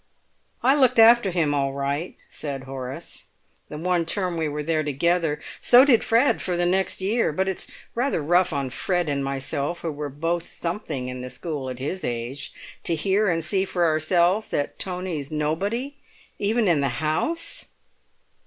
"I looked after him all right," said Horace, "the one term we were there together. So did Fred for the next year. But it's rather rough on Fred and myself, who were both something in the school at his age, to hear and see for ourselves that Tony's nobody even in the house!"